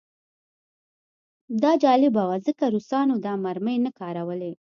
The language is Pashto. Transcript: دا جالبه وه ځکه روسانو دا مرمۍ نه کارولې